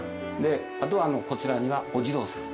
あとはこちらにはお地蔵さん。